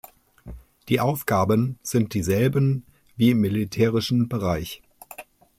Die Aufgaben sind dieselben wie im militärischen Bereich.